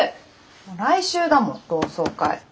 来週だもん同窓会。